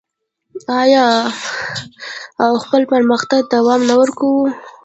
آیا او خپل پرمختګ ته دوام نه ورکوي؟